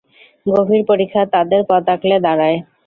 গভীর পরিখা তাদের পথ আগলে দাঁড়ায়।